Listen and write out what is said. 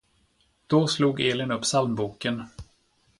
Då slog Elin upp psalmboken.